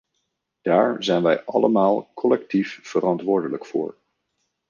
Daar zijn wij allemaal, collectief verantwoordelijk voor.